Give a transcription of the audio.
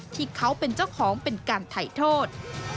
ที่เขาเป็นเจ้าของเป็นการถ่ายโทษ